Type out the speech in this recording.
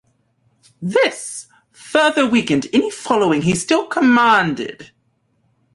This further weakened any following he still commanded.